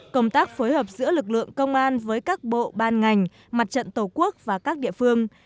công tác phối hợp giữa lực lượng công an với các bộ ban ngành mặt trận tổ quốc và các địa phương